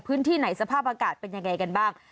พื้นที่ไหนสภาพอากาศเป็นยังไงกันบ้าง